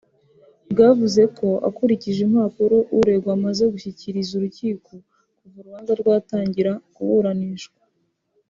Bwavuze ko ukurikije impapuro uregwa amaze gushyikiriza urukiko kuva urubanza rwatangira kuburanishwa